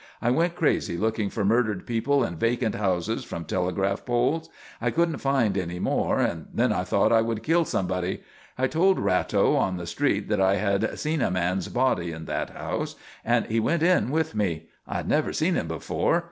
I went crazy looking for murdered people in vacant houses from telegraph poles. I couldn't find any more, and then I thought I would kill somebody. I told Ratto on the street that I had seen a man's body in that house and he went in with me. I had never seen him before.